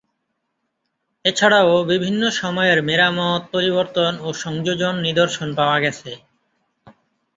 এছাড়াও বিভিন্ন সময়ের মেরামত, পরিবর্তন ও সংযোজন নিদর্শন পাওয়া গেছে।